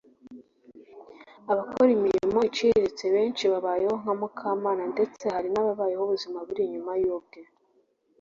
Abakora imirimo iciriritse benshi babayeho nka Mukamana ndetse hari n’ababaho ubuzima buri inyuma y’ubwe